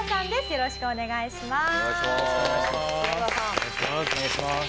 よろしくお願いします。